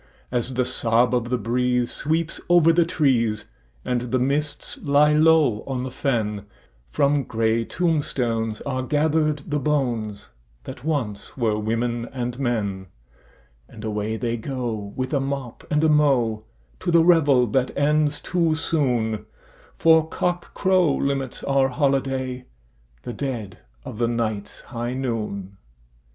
As the sob of the breeze sweeps over the trees, and the mists lie low on the fen, From grey tombstones are gathered the bones that once were women and men, And away they go, with a mop and a mow, to the revel that ends too soon, For cockcrow limits our holiday—the dead of the night's high noon!